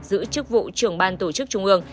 giữ chức vụ trưởng ban tổ chức trung ương